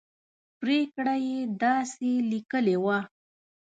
پرېکړه یې داسې لیکلې وه.